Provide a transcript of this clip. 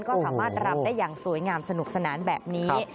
ก็สามารถรำได้อย่างสวยงามสนุกสนานแบบนี้